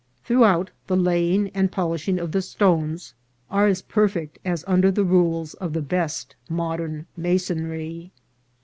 Throughout, the laying and polishing of the stones are as perfect as un der the rules of the best modern masonry.